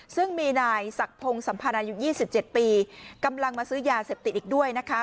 ซึ่งมีนายศักดิ์พงศ์สัมพันธ์อายุ๒๗ปีกำลังมาซื้อยาเสพติดอีกด้วยนะคะ